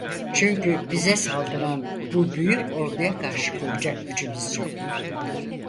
Çünkü bize saldıran bu büyük orduya karşı koyacak gücümüz yok.